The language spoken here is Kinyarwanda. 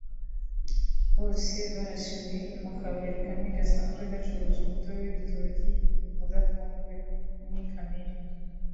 Bose barasiwe mu Kabari kamwe gasanzwe gacuruza umutobe w’ibitoki udafunguye (umwikamire)